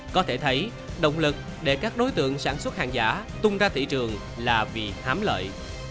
có thể thấy động lực để các đối tượng sản xuất hàng giả tung ra thị trường là vì hám lợi